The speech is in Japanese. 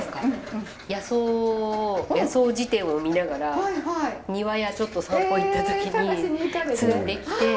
野草を野草事典を見ながら庭やちょっと散歩行った時に摘んできて。